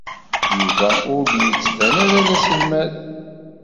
Yuba ur d-yettban ara d aselmad.